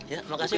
ya terima kasih